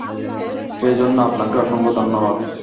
সেই জন্যে আপনাকে অসংখ্য ধন্যবাদ।